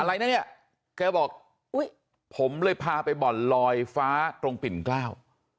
อะไรนะเนี่ยแกบอกอุ้ยผมเลยพาไปบ่อนลอยฟ้าตรงปิ่นเกล้า